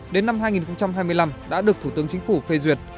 đến năm hai nghìn hai mươi năm đã được thủ tướng chính phủ phê duyệt